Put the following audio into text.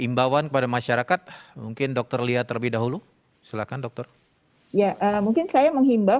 imbauan kepada masyarakat mungkin dokter lia terlebih dahulu silakan dokter ya mungkin saya menghimbau